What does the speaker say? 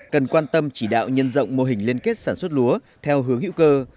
cần quan tâm chỉ đạo nhân rộng mô hình liên kết sản xuất lúa theo hướng hữu cơ